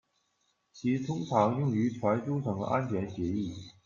其通常用于传输层安全协议。